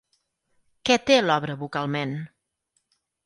Què té l'obra vocalment?